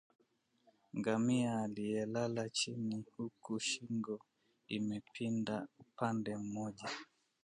Ngamia aliyelala chini huku shingo imepinda upande mmoja